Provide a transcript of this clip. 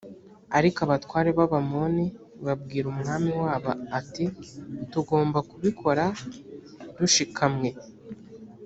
ariko abatware b’ abamoni babwira umwami wabo ati”tugomba kubikora dushikamwe.”